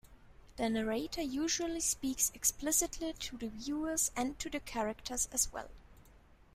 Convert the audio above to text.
The narrator usually speaks explicitly to the viewers and to the characters as well.